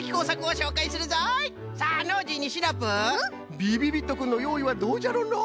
びびびっとくんのよういはどうじゃろうのう？